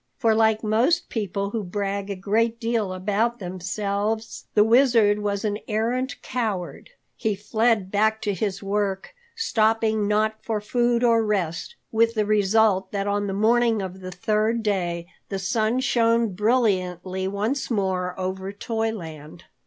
For like most people who brag a great deal about themselves, the Wizard was an arrant coward. He fled back to his work, stopping not for food or rest, with the result that on the morning of the third day the sun shone brilliantly once more over Toyland.